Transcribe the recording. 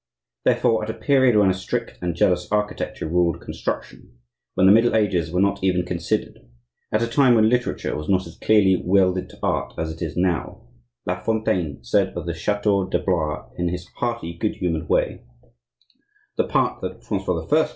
Therefore, at a period when a strict and jealous architecture ruled construction, when the Middle Ages were not even considered, at a time when literature was not as clearly welded to art as it is now, La Fontaine said of the chateau de Blois, in his hearty, good humored way: "The part that Francois I.